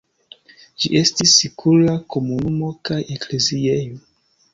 Ĝi estis sikula komunumo kaj ekleziejo.